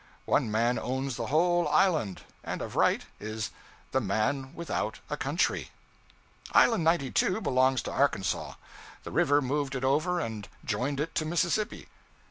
One man owns the whole island, and of right is 'the man without a country.' Island 92 belongs to Arkansas. The river moved it over and joined it to Mississippi.